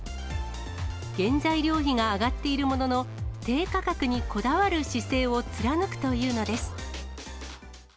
原材料費が上がっているものの、低価格にこだわる姿勢を貫くというのです。